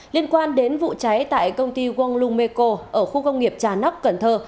liên quan đến vụ cháy tại công ty wang lung meko ở khu công nghiệp trà nóc cần thơ